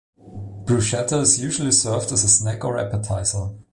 Bruschetta is usually served as a snack or appetizer.